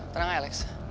tenang ya lex